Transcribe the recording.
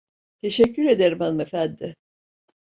Teşekkür ederim hanımefendi.